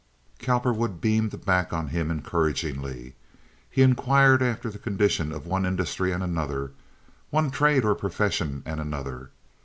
Cowperwood beamed back on him encouragingly. He inquired after the condition of one industry and another, one trade or profession and another.